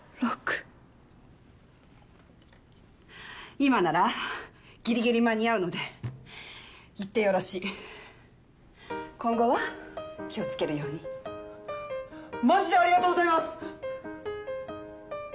今ならギリギリ間に合うので行ってよろしい今後は気をつけるようにマジでありがとうございます！